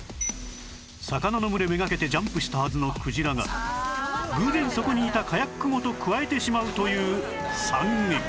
魚の群れ目掛けてジャンプしたはずのクジラが偶然そこにいたカヤックごとくわえてしまうという惨劇